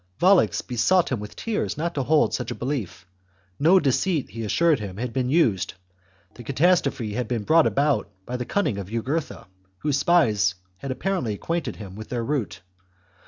Volux besought him with tears not to hold such a belief; no deceit, he assured him, had been used ; the catastrophe had been brought about by the cunning of Jugurtha, whose spies had apparently acquainted him with their route.